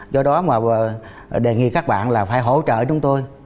do đó mà đề nghị các bạn là phải hỗ trợ chúng tôi